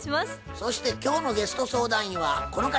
そして今日のゲスト相談員はこの方。